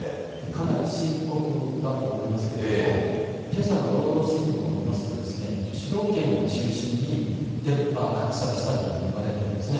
かなり深刻だと思いますけれども、けさの労働新聞を見ますと、首都圏を中心に伝ぱ、拡散したというふうにいわれているんですね。